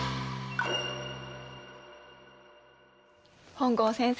本郷先生。